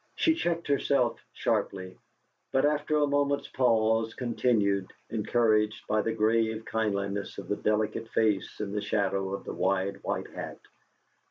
She checked herself sharply, but, after a moment's pause, continued, encouraged by the grave kindliness of the delicate face in the shadow of the wide white hat.